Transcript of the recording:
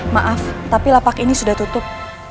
maaf tapi lapak ini sudah tutup